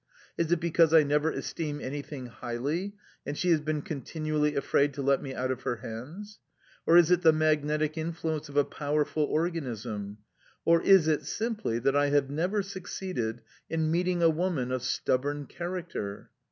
Is it because I never esteem anything highly, and she has been continually afraid to let me out of her hands? Or is it the magnetic influence of a powerful organism? Or is it, simply, that I have never succeeded in meeting a woman of stubborn character?